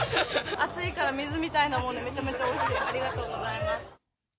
暑いから水みたいなもんで、めちゃめちゃおいしいです、ありがとうございます。